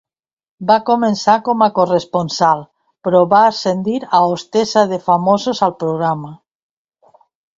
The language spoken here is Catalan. Va començar com a corresponsal, però va ascendir a hostessa de famosos al programa.